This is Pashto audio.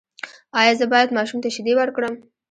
ایا زه باید ماشوم ته شیدې ورکړم؟